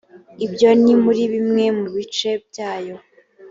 ibyo ni muri bimwe mu bice byayo